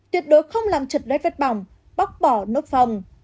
tuyệt đối không làm trật đoét vết bỏng bóc bỏ nốt phòng